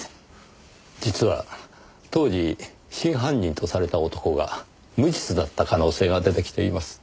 実は当時真犯人とされた男が無実だった可能性が出てきています。